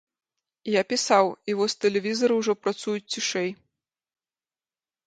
Я пісаў, і вось тэлевізары ўжо працуюць цішэй.